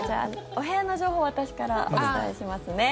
お部屋の情報は私からお伝えしますね。